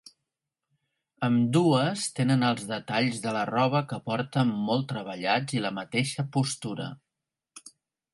Ambdues tenen els detalls de la roba que porten molt treballats i la mateixa postura.